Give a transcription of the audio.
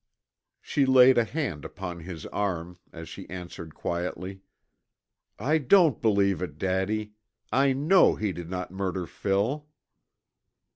She laid a hand upon his arm as she answered quietly, "I don't believe it, Daddy. I know he did not murder Phil."